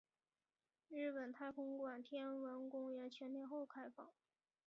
香港太空馆天文公园全天候开放。